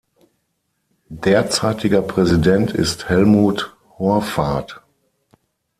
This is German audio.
Derzeitiger Präsident ist Helmuth Horvath.